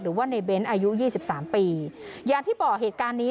หรือว่าในเบ้นอายุยี่สิบสามปีอย่างที่บอกเหตุการณ์นี้